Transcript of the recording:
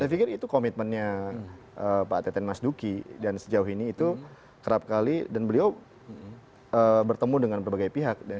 saya pikir itu komitmennya pak teten mas duki dan sejauh ini itu kerap kali dan beliau bertemu dengan berbagai pihak